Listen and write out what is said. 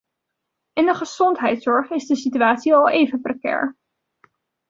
In de gezondheidszorg is de situatie al even precair.